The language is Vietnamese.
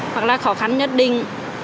hoặc là khó khăn nhất định